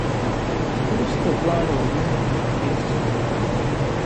وروسته دواړه ورونه له نړۍ څخه ولاړل.